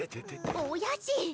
おやじ！